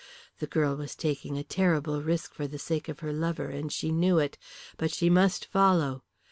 The girl was taking a terrible risk for the sake of her lover, and she knew it. But she must follow.